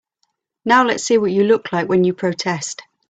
Now let's see what you look like when you protest.